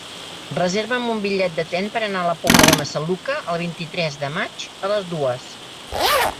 Reserva'm un bitllet de tren per anar a la Pobla de Massaluca el vint-i-tres de maig a les dues.